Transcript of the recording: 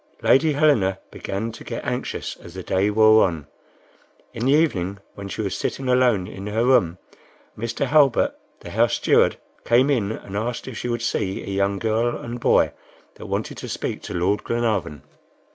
Lady Helena began to get anxious as the day wore on. In the evening, when she was sitting alone in her room, Mr. Halbert, the house steward, came in and asked if she would see a young girl and boy that wanted to speak to Lord Glenarvan.